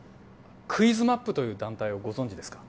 クイズマップという団体をご存じですか？